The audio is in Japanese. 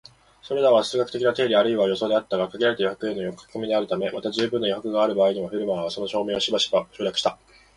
それらは数学的な定理あるいは予想であったが、限られた余白への書き込みであるため、また充分な余白がある場合にも、フェルマーはその証明をしばしば省略した